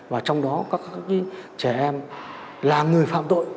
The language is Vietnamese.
và trong đó các trẻ em là người phạm tội